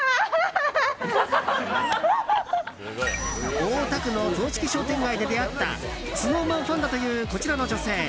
大田区の雑色商店街で出会ったＳｎｏｗＭａｎファンだというこちらの女性。